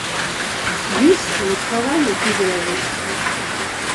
Gus a un travail en plus de l'agence.